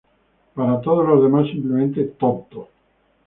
Para todos los demás, simplemente tonto".